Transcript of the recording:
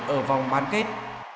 ở vòng bán kết